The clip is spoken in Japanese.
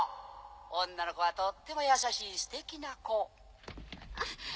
女の子はとっても優しいステキな子。